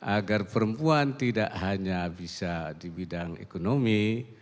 agar perempuan tidak hanya bisa di bidang ekonomi